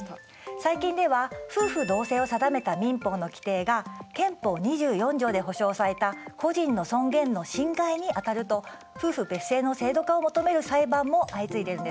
最近では夫婦同姓を定めた民法の規定が憲法２４条で保障された個人の尊厳の侵害にあたると夫婦別姓の制度化を求める裁判も相次いでいるんですよ。